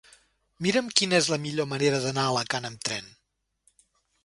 Mira'm quina és la millor manera d'anar a Alacant amb tren.